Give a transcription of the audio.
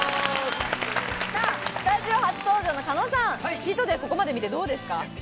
スタジオ初登場の狩野さん、ここまで見てどうですか？